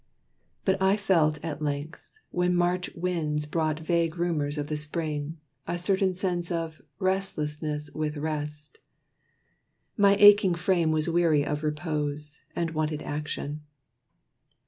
But I felt, at length, When March winds brought vague rumors of the spring, A certain sense of "restlessness with rest." My aching frame was weary of repose, And wanted action.